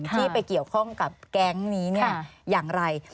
ที่ไปเกี่ยวข้องกับแก๊งนี้อย่างไร